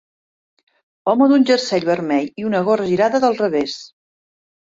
Home amb un jersei vermell i una gorra girada del revés.